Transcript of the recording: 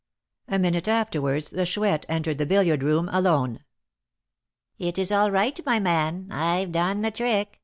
A minute afterwards the Chouette entered the billiard room alone. "It is all right, my man, I've done the trick!"